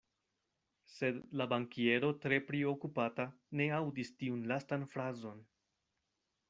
Sed la bankiero tre priokupata ne aŭdis tiun lastan frazon.